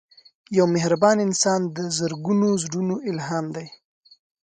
یو مهربان انسان د زرګونو زړونو الهام دی